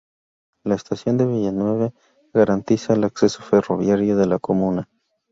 La estación de Villeneuve garantiza el acceso ferroviario de la comuna.